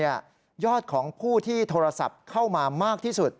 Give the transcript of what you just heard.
ยอดของผู้ที่โทรศัพท์เข้ามามากที่สุด